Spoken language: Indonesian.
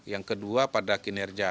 yang kedua pada kinerja